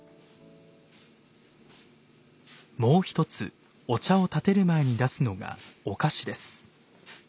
もう一つお茶を点てる前に出すのがお菓子です。